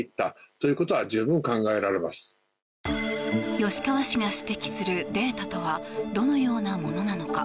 吉川氏が指摘するデータとはどのようなものなのか。